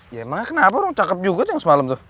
ya emang kenapa orang cakep juga yang semalam tuh